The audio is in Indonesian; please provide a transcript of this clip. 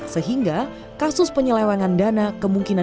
sehingga kasus penyelewengan dana kemungkinan